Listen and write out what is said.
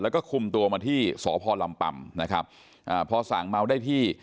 แล้วก็คุมตัวมาที่สพลำปัมพอสั่งเมาได้ที่